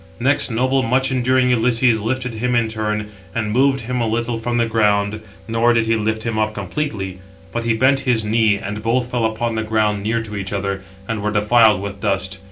Next noble, much enduring Ulysses, lifted him in turn, and moved him a little from the ground, nor did he lift him up completely; but he bent his knee; and both fell upon the ground near to each other, and were defiled with dust.